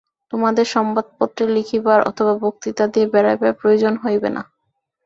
তোমাদের সংবাদপত্রে লিখিবার অথবা বক্তৃতা দিয়া বেড়াইবার প্রয়োজন হইবে না।